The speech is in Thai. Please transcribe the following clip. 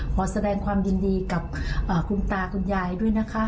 ขอแสดงความยินดีกับคุณตาคุณยายด้วยนะคะ